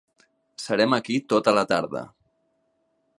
Serem aquí tota la tarda.